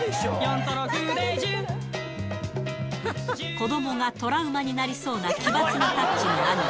子どもがトラウマになりそうな奇抜なタッチのアニメ。